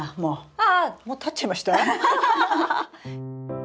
ああもうたっちゃいました？